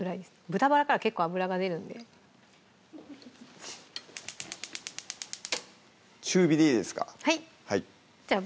豚バラから結構脂が出るんで中火でいいですかはいじゃ